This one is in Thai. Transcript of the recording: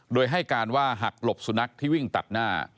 โดยให้การว่าหักหลบสุนัขที่วิ่งตัดหน้า